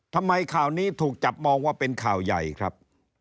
ทำไมข่าวนี้ถูกจับมองว่าเป็นข่าวใหญ่ครับ